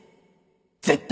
絶対！